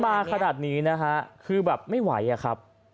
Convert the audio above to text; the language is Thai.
มาขนาดนี้นะฮะคือแบบไม่ไหวอะครับ